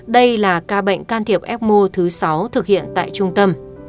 đây là ca bệnh can thiệp ecmo thứ sáu thực hiện tại trung tâm